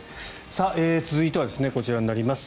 続いてはこちらになります。